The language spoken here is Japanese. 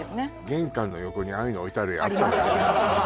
玄関の横にああいうの置いてある家あったよね